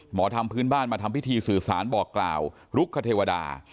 หมอธรรมพื้นบ้านมาทำพิธีสื่อสารบอกกล่าวลุกคเทวดา